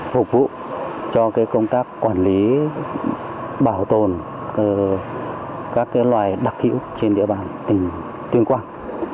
phục vụ cho công tác quản lý bảo tồn các loài đặc hữu trên địa bàn tỉnh tuyên quang